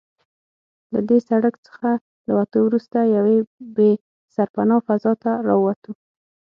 له دې سړک څخه له وتو وروسته یوې بې سرپنا فضا ته راووتو.